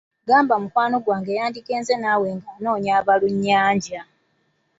Gamba mukwano gwange yandigenze naawe ng'anoonya abalunnyanja.